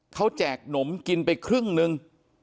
เขาแจกหนมกินไปครึ่งนึง